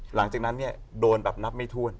หลังจากนั้นโดนนับไม่ทวน